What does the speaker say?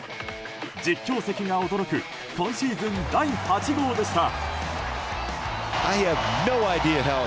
実況席が驚く今シーズン第８号でした。